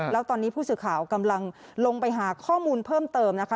แล้วตอนนี้ผู้สื่อข่าวกำลังลงไปหาข้อมูลเพิ่มเติมนะคะ